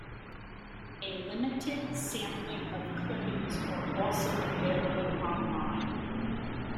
A limited sampling of clippings are also available online.